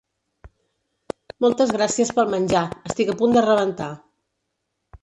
Moltes gràcies pel menjar, estic a punt de rebentar.